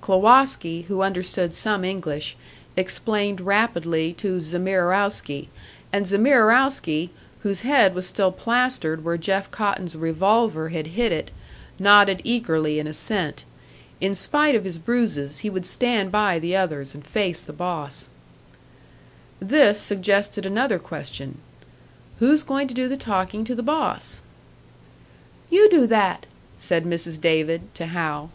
Klowoski, who understood some English, explained rapidly to Zamierowski; and Zamierowski, whose head was still plastered where Jeff Cotton's revolver had hit it, nodded eagerly in assent. In spite of his bruises, he would stand by the others, and face the boss. This suggested another question. "Who's going to do the talking to the boss?" "You do that," said Mrs. David, to Hal.